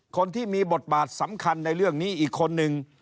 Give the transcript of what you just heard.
คนที่มีบทบาทสำคัญในเรื่องนี้อีกคนนึง